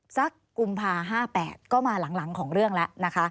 สักกุมภาคม๕๘ก็มาหลังของเรื่องแล้ว